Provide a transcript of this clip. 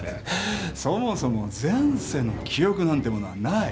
そもそも前世の記憶なんてものはない。